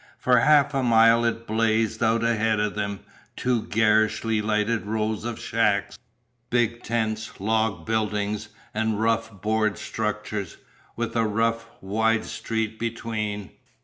For half a mile it blazed out ahead of them, two garishly lighted rows of shacks, big tents, log buildings, and rough board structures, with a rough, wide street between.